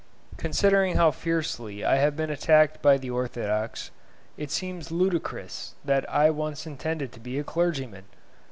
Considering how fiercely I have been attacked by the orthodox, it seems ludicrous that I once intended to be a clergyman.